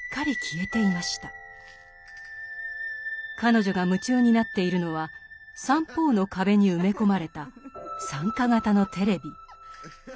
彼女が夢中になっているのは三方の壁に埋め込まれた参加型のテレビ。